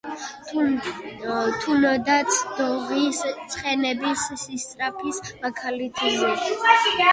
თუნდაც, დოღის ცხენების სისწრაფის მაგალითზე.